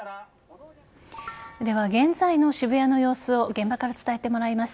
では、現在の渋谷の様子を現場から伝えてもらいます。